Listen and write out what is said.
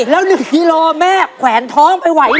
แล้ว๑กิโลกรัมแม่แขวนท้องไปไหวหรือ